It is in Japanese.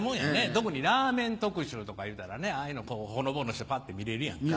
特にラーメン特集とかいうたらねああいうのほのぼのしてパッて見れるやんか。